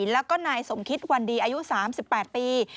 แล้วก็นายสมคิตวันดีอายุ๓๘ปี